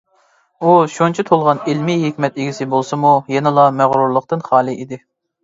ئۇ شۇنچە تولغان ئىلمىي ھېكمەت ئىگىسى بولسىمۇ يەنىلا مەغرۇرلۇقتىن خالى ئىدى.